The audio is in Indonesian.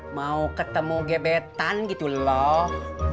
mau ketemu gebetan gitu loh